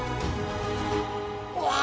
うわ！